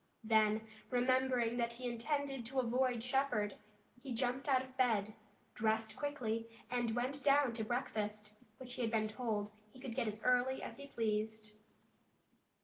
Then, remembering that he intended to avoid Shepard, he jumped out of bed, dressed quickly and went down to breakfast, which he had been told he could get as early as he pleased.